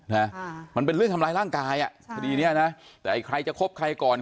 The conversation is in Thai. นะค่ะมันเป็นเรื่องทำร้ายร่างกายอ่ะคดีเนี้ยนะแต่ไอ้ใครจะคบใครก่อน